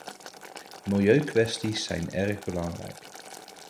Milieukwesties zijn erg belangrijk.